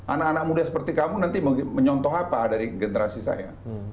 anak anak muda seperti kamu nanti menyontoh apa dari generasi saya